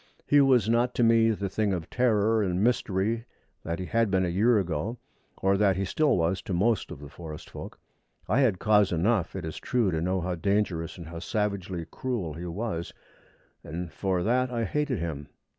He was not to me the thing of terror and mystery that he had been a year ago, or that he still was to most of the forest folk. I had cause enough, it is true, to know how dangerous and how savagely cruel he was, and for that I hated him.